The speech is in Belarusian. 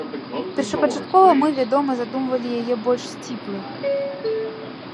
Першапачаткова мы, вядома, задумвалі яе больш сціплай.